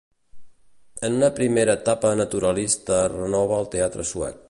En una primera etapa naturalista renova el teatre suec.